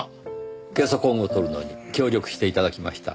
ゲソ痕をとるのに協力して頂きました。